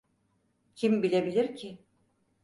Kim bilebilir ki?